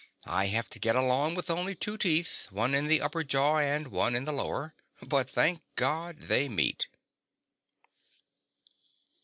"I have to get along with only two teeth, one in the upper jaw and one in the lower but thank God, they meet."